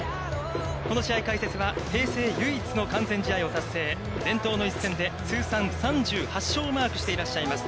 この試合、解説は、平成唯一の完全試合を達成、伝統の一戦で通算３８勝をマークしています